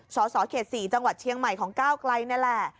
สสเขต๔จังหวัดเชียงใหม่ของก้าวไกลนี่แหละ